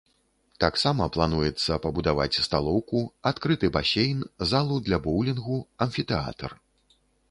Таксама плануецца пабудаваць сталоўку, адкрыты басейн, залу для боўлінгу, амфітэатр.